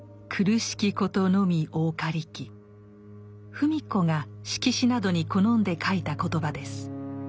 芙美子が色紙などに好んで書いた言葉です。